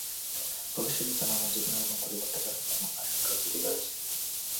ভবিষ্যতে তাঁরা আমার যেকোনো রকম ক্ষতি করতে পারেন, এমন আশঙ্কায় জিডি করেছি।